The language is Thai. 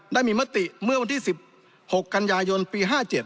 ได้มีมติเมื่อวันที่สิบหกกัญญายนปีห้าเจ็ด